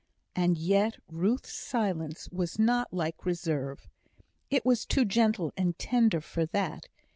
And yet Ruth's silence was not like reserve; it was too gentle and tender for that.